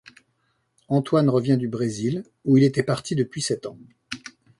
Antoine revient du Brésil où il était parti depuis sept ans.